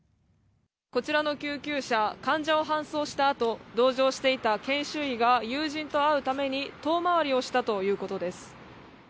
こちらの救急車、患者を搬送したあと、同乗していた研修医が、友人と会うために、遠回りをしたということです。